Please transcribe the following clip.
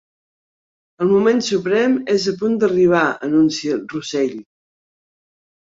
El moment suprem és a punt d'arribar —anuncia Russell.